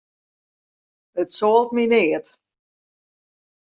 It soalt my neat.